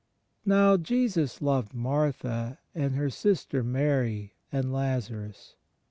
"Now Jesus loved Martha, and her sister Mary, and Lazarus."